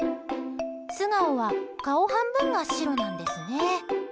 素顔は顔半分が白なんですね。